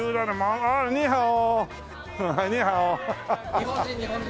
日本人日本人。